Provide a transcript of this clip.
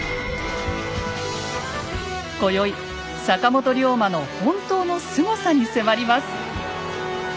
今宵坂本龍馬の本当のすごさに迫ります。